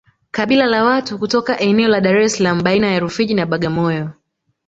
kabila la watu kutoka eneo la Dar es Salaam baina ya Rufiji na Bagamoyo